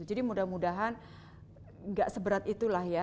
jadi mudah mudahan tidak seberat itulah ya